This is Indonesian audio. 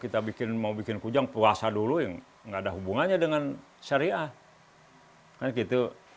kita bikin mau bikin kujang puasa dulu yang nggak ada hubungannya dengan syariah kan gitu